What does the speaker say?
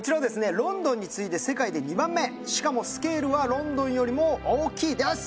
ロンドンに次いで世界で２番目しかもスケールはロンドンよりも大きいです